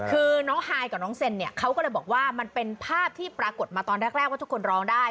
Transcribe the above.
คือน้องฮายกับน้องเซนเนี่ยเขาก็เลยบอกว่ามันเป็นภาพที่ปรากฏมาตอนแรกว่าทุกคนร้องได้